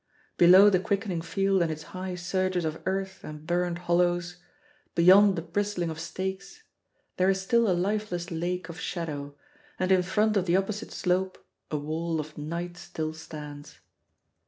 Below the quickening field and its high surges of earth and burned hollows, beyond the bristling of stakes, there is still a lifeless lake of shadow, and in front of the opposite slope a wall of night still stands.